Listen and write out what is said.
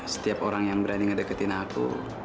setiap orang yang berani ngedeketin aku